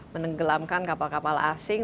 menenggelamkan kapal kapal asing